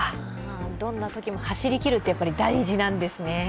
どんなときも走りきるって大事なんですね。